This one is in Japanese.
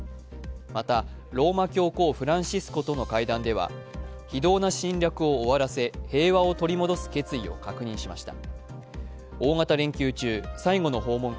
また、ローマ教皇フランシスコとの会談では、非道な侵略を終わらせ、平和を取り戻す決意を確認しました。